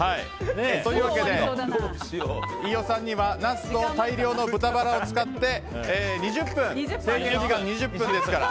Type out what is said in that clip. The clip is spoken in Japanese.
というわけで飯尾さんにはナスと大量の豚バラを使って制限時間２０分ですから。